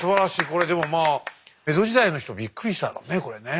これでもまあ江戸時代の人びっくりしたろうねこれね。